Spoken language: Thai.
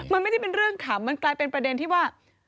มันไม่ได้เป็นเรื่องขำมันกลายเป็นประเด็นที่ว่า